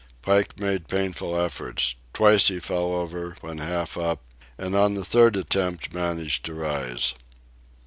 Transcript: Pike made painful efforts. Twice he fell over, when half up, and on the third attempt managed to rise.